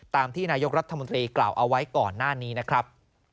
ตามที่นายกรัฐมนตรีกล่าวเอาไว้ก่อนหน้านี้นะครับ